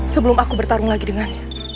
sebelum aku bertarung lagi dengannya